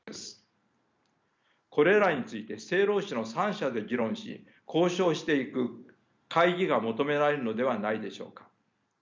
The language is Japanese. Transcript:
これらについて政労使の三者で議論し交渉していく会議が求められるのではないでしょうか。